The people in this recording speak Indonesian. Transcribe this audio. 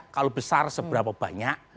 kalau besar seberapa banyak